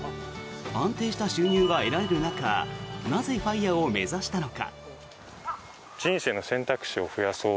安定した収入が得られる中なぜＦＩＲＥを目指したのか。